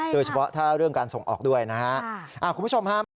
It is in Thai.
โดยเฉพาะถ้าเรื่องการส่งออกด้วยนะฮะคุณผู้ชมฮะ